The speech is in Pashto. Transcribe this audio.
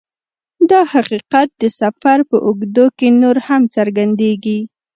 دا حقیقت د سفر په اوږدو کې نور هم څرګندیږي